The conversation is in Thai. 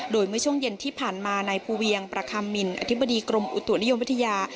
โดยเมื่อช่วงเย็นที่ผ่านมานายภูเวียงประคัมมินอธิบดีกรมอุตุนิยมวิทยา